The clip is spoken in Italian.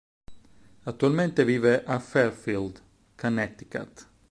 Attualmente vive a Fairfield, Connecticut.